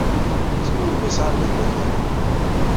Seg melmi i sɛan lehlak-a?